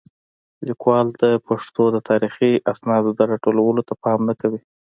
لیکوالان د پښتو د تاریخي اسنادو د راټولولو ته پام نه کوي.